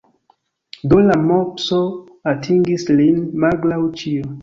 Do la mopso atingis lin, malgraŭ ĉio.